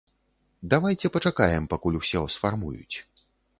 Давайце пачакаем, пакуль усё сфармуюць.